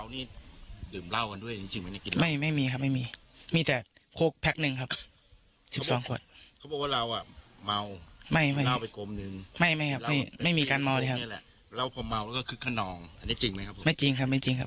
น้องบอกแบบนี้นะคะ